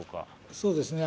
そうですね。